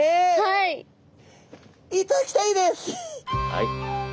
はい。